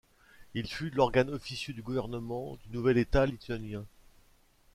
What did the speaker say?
Il fut l'organe officieux du gouvernement du nouvel état lituanien.